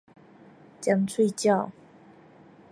尖喙鳥